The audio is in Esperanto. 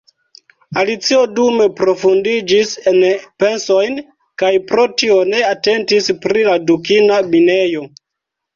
Alicio dume profundiĝis en pensojn, kaj pro tio ne atentis pri la dukina minejo.